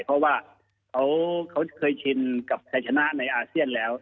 เพราะว่าเขาเคยชินกับชัยชนะในอาเซียนแล้ว